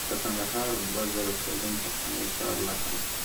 د کندهار دوه زره کلن پخوانی ښار لاهم شته